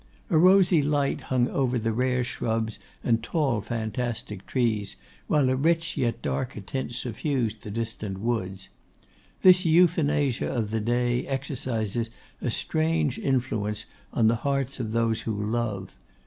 A rosy light hung over the rare shrubs and tall fantastic trees; while a rich yet darker tint suffused the distant woods. This euthanasia of the day exercises a strange influence on the hearts of those who love.